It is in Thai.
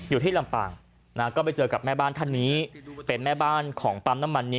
อยู่ที่ลำปางนะก็ไปเจอกับแม่บ้านท่านนี้เป็นแม่บ้านของปั๊มน้ำมันนี้